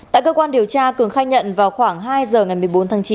tại cơ quan điều tra cường khai nhận vào khoảng hai giờ ngày một mươi bốn tháng chín